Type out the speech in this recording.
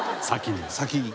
先に？